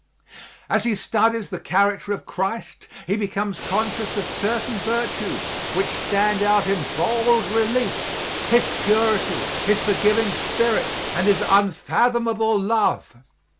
As he studies the character of Christ he becomes conscious of certain virtues which stand out in bold relief His purity, His forgiving spirit, and His unfathomable love.